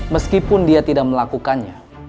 meskipun dia tidak melakukannya